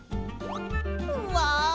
うわ！